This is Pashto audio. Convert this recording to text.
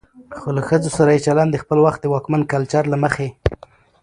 خو له ښځو سره يې چلن د خپل وخت د واکمن کلچر له مخې